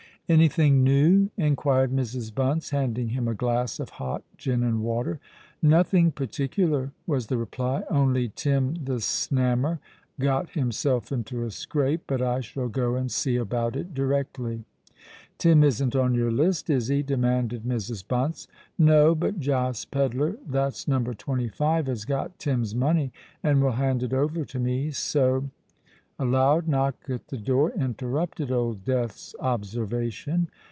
"Any thing new?" inquired Mrs. Bunce, handing him a glass of hot gin and water. "Nothing particular," was the reply. "Only Tim the Snammer got himself into a scrape. But I shall go and see about it directly." "Tim isn't on your list—is he?" demanded Mrs. Bunce. "No: but Josh Pedler—that's Number Twenty five—has got Tim's money, and will hand it over to me. So——" A loud knock at the door interrupted Old Death's observation.